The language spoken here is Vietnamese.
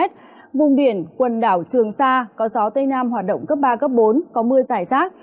trên biển vùng biển quần ảo trường sa có gió tây nam hoạt động cấp ba cấp bốn có mưa rải rác